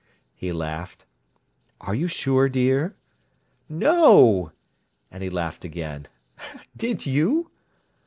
he laughed. "Are you sure, dear?" "No!" And he laughed again. "Did you?"